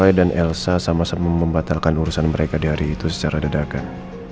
saya dan elsa sama sama membatalkan urusan mereka di hari itu secara dadakan